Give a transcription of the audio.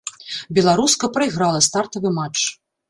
Беларуска прайграла стартавы матч.